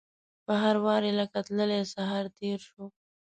په هر واري لکه تللی سهار تیر شو